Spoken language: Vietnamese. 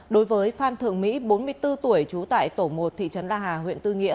đối với phan thượng mỹ bốn mươi bốn tuổi trú tại tổ một thị trấn la hà huyện tư nghĩa